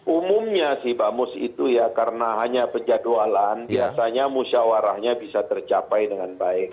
umumnya si bamus itu ya karena hanya penjadwalan biasanya musyawarahnya bisa tercapai dengan baik